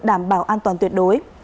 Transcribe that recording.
đảm bảo an toàn tuyệt đối